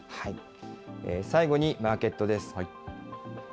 最後にマーケットです。